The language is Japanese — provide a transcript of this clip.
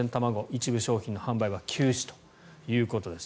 一部商品の販売を休止ということです。